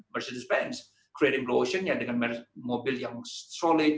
mercedez benz membuat blue ocean dengan mobil yang solid